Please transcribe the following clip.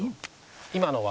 今のは？